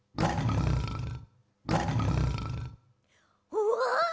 うわ！